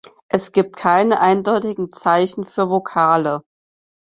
Es gibt keine eindeutigen Zeichen für Vokale.